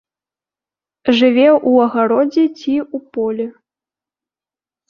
Жыве ў агародзе ці ў полі.